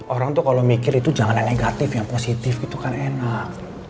orang tuh kalau mikir itu jangan negatif yang positif gitu kan enak